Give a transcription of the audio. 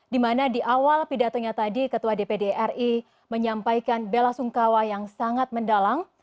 di mana di awal pidatonya tadi ketua dpr ri menyampaikan bela sungkawa yang sangat mendalang